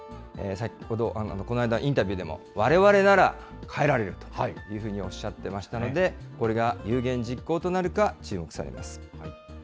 この間のインタビューでも、われわれなら変えられるというふうにおっしゃってましたので、これが有言実行となるか、注目されます。